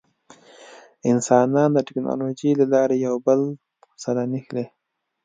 انسانان د ټکنالوجۍ له لارې یو بل سره نښلي.